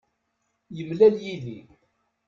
Yemlal yid-i.